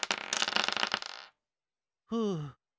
ふう。